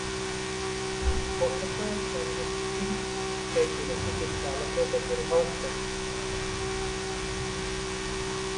Four separate and distinct state universities are located in Houston.